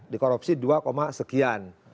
di korupsi dua sekian